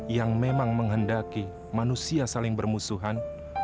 yang memang menghendaki manusia saling bermusuhan